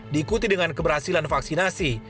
diikuti dengan keberhasilan vaksinasi